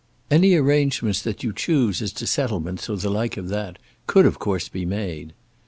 "Any arrangements that you choose as to settlements or the like of that, could of course be made."